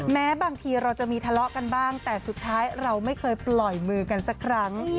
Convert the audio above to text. แม้บางทีเราจะมีทะเลาะกันบ้างแต่สุดท้ายเราไม่เคยปล่อยมือกันสักครั้ง